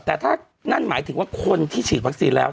แต่ถ้านั่นหมายถึงว่าคนที่ฉีดวัคซีนแล้ว